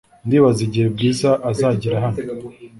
Ndibaza igihe Bwiza azagera hano .